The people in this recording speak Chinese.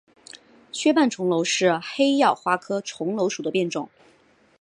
缺瓣重楼是黑药花科重楼属的变种。